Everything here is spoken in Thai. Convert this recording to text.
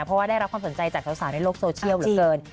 เพราะว่าได้รับความสนใจจากสาวในโลกโซเชียลเหลือเกิน